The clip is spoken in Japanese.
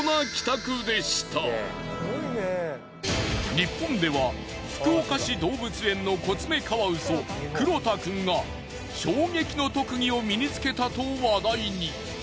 日本では福岡市動物園のコツメカワウソくろたくんが衝撃の特技を身につけたと話題に。